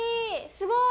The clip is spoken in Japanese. すごい！